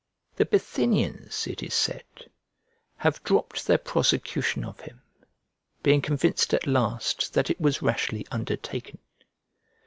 The Bithynians, it is said, have dropped their prosecution of him being convinced at last that it was rashly undertaken.